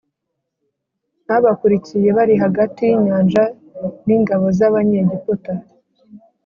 babakurikiye Bari hagati y inyanja n ingabo z Abanyegiputa